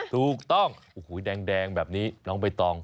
ถูกต้องโอ้โหแดงแบบนี้น้องใบตอง